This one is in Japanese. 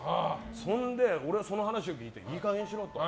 そんで、おれはその話を聞いていい加減にしろと。